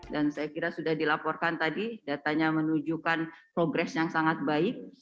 dan saya kira sudah dilaporkan tadi datanya menunjukkan progres yang sangat baik